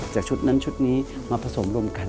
จากชุดนั้นชุดนี้มาผสมรวมกัน